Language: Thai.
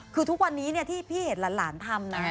คือทุกวันนี้ที่พี่เห็นหลานทำนะ